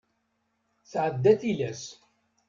Tɛedda tilas.